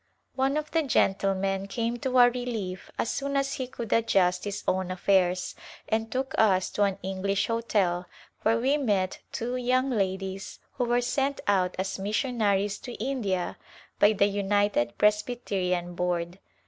One of the gentlemen came to our relief as soon as he could adjust his own affairs and took us to an English hotel where we met two young ladies who were sent out as missionaries to India by the United Presbyterian Board.